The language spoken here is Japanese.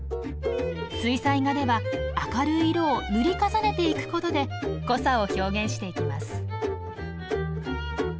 水彩画では明るい色を塗り重ねていくことで濃さを表現していきます。